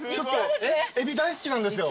エビ大好きなんですよ。